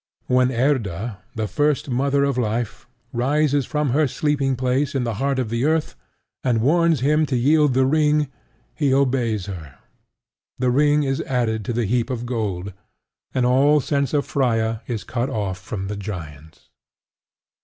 When Erda, the First Mother of life, rises from her sleeping place in the heart of the earth, and warns him to yield the ring, he obeys her; the ring is added to the heap of gold; and all sense of Freia is cut off from the giants.